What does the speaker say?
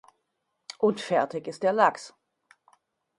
Und fertig ist der Lachs.